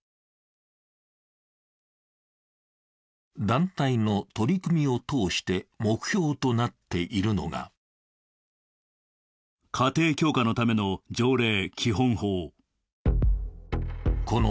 団体の取り組みを通して目標となっているのがこの家庭強化のための条例。